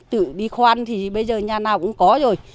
tự đi khoan thì bây giờ nhà nào cũng có rồi